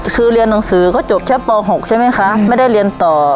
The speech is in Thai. คือเรียนหนังสือก็จบชั้นป๖ใช่ไหมคะไม่ได้เรียนต่อ